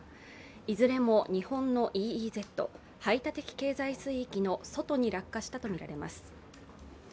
いずれも日本のＥＥＺ＝排他的経済水域の外に落下したとみられます。